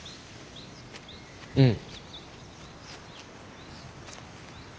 うん。